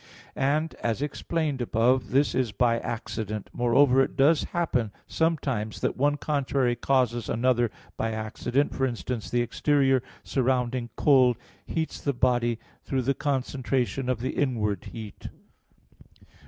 And, as explained above (Q. 19, A. 9), this is by accident. Moreover, it does happen sometimes that one contrary causes another by accident: for instance, the exterior surrounding cold heats (the body) through the concentration of the inward heat.